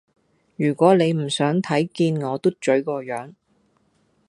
如果你唔想睇見我嘟嘴個樣